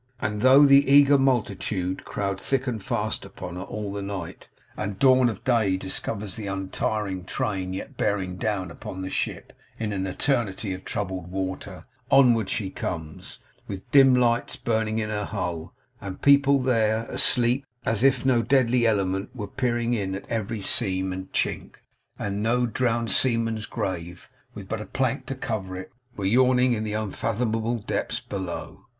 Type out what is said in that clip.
And though the eager multitude crowd thick and fast upon her all the night, and dawn of day discovers the untiring train yet bearing down upon the ship in an eternity of troubled water, onward she comes, with dim lights burning in her hull, and people there, asleep; as if no deadly element were peering in at every seam and chink, and no drowned seaman's grave, with but a plank to cover it, were yawning in the unfathomable depths below.